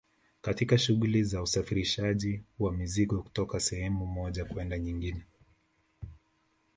katika shughuli za usafirishaji wa mizigo kutoka sehemu moja kwenda nyingine